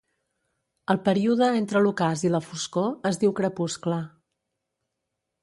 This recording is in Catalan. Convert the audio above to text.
El període entre l'ocàs i la foscor es diu crepuscle.